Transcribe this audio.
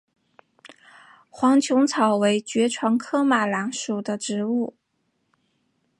黄猄草为爵床科马蓝属的植物。